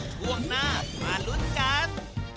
ช่วงหน้ามาลุ้นกัน